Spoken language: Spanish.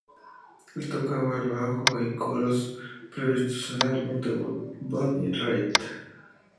Él tocaba el bajo y coros previstos en el álbum debut de Bonnie Raitt.